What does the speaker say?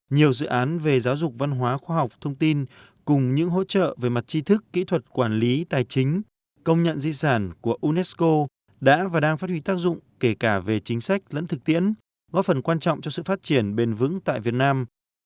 nhiều dự án về giáo dục văn hóa khoa học thông tin cùng những hỗ trợ về mặt chi thức kỹ thuật quản lý tài chính công nhận di sản của unesco đã và đang phát huy tác dụng kể cả về chính sách lẫn thực tiễn góp phần quan trọng cho sự phát triển bền vững tại việt nam